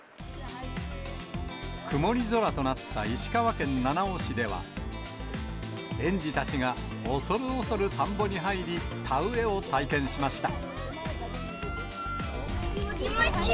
曇り空となった石川県七尾市では、園児たちがおそるおそる田んぼに入り、田植えを体験しました。